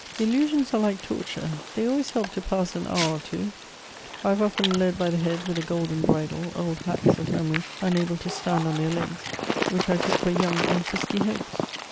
Illusions are like torture: they always help to pass an hour or two. I have often led by the head, with a golden bridle, old hacks of memory unable to stand on their legs, which I took for young and frisky hopes.